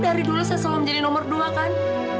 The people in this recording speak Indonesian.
dari dulu saya selalu menjadi nomor dua kan